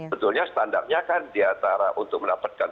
betulnya standarnya kan diantara untuk mendapatkan